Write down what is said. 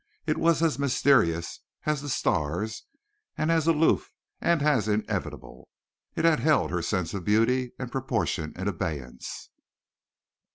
It was as mysterious as the stars and as aloof and as inevitable. It had held her senses of beauty and proportion in abeyance.